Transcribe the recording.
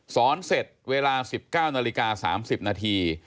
สอนเสร็จเวลา๑๙นาฬิกา๓๐นาที